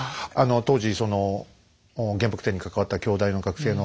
当時その原爆展に関わった京大の学生の。